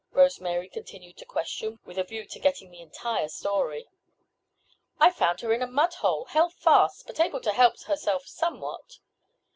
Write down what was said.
Rose Mary continued to question, with a view to getting the entire story. "I found her in a mud hole, held fast, but able to help herself somewhat.